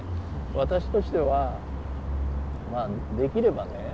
私としてはできればね